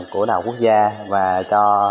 của đh quốc gia và cho